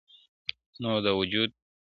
نو د وجود.